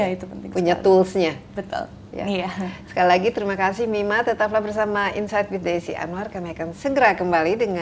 iya itu penting sekali